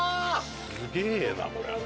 すげえなこれ。